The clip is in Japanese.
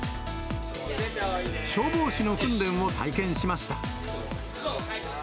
消防士の訓練を体験しました。